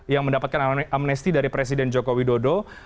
yang mendapatkan amnesti dari presiden joko widodo